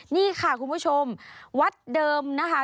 นี่ค่ะคุณผู้ชมวัดเดิมนะคะ